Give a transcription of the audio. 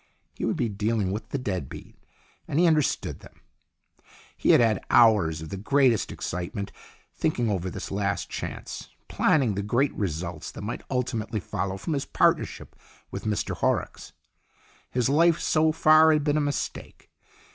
He would be dealing with the dead beat, and he understood them. He had had hours of the greatest excite ment, thinking over this last chance, planning the great results that might ultimately follow from his partnership with Mr Horrocks. His life so far had been a mistake.